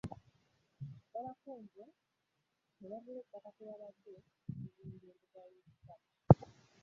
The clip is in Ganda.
Babakunze ne bagula ettaka kwe bagenda okuzimba embuga y'ekika